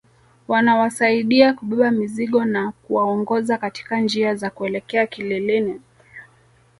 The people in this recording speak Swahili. Wanawasaidia kubeba mizigo na kuwaongoza katika njia za kuelekea kileleni